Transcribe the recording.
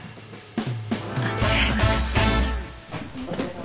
あっ違いますから。